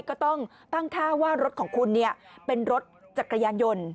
ก็ต้องตั้งค่าว่ารถของคุณเป็นรถจักรยานยนต์